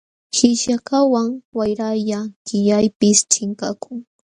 Qishyakaqwan wayralla qillaypis chinkakun.